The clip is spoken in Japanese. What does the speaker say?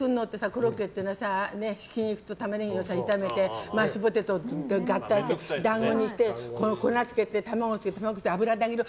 コロッケっていうのはひき肉とタマネギを炒めてマッシュポテトと合体して団子にして粉つけて、卵付けて油で揚げる。